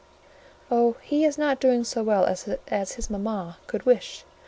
"Oh, he is not doing so well as his mama could wish.